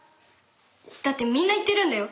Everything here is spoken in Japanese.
だってみんな行ってるんだよ。